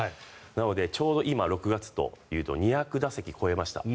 なので、ちょうど今６月というと２００打席を超えました。